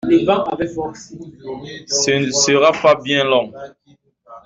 Ce ne sera pas bien long.